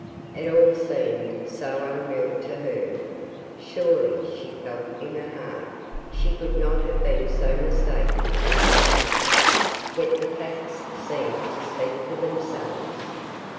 It all seemed so unreal to her. Surely, she felt in her heart, she could not have been so mistaken in the man. Yet the facts seemed to speak for themselves.